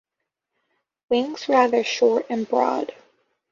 Wings rather short and broad.